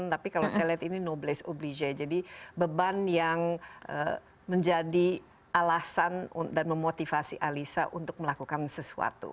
tapi kalau saya lihat ini nobless oblicy jadi beban yang menjadi alasan dan memotivasi alisa untuk melakukan sesuatu